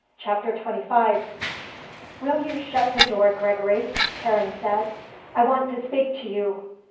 CHAPTER XXV "Will you shut the door, Gregory?" Karen said. "I want to speak to you."